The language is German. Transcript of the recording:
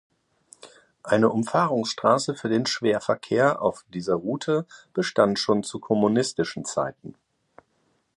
Eine Umfahrungsstrasse für den Schwerverkehr auf dieser Route bestand schon zu kommunistischen Zeiten.